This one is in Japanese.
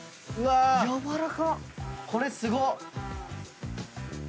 これすごっ！